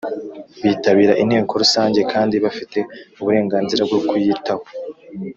Bitabira Inteko Rusange kandi bafite uburenganzira bwo kuyitaho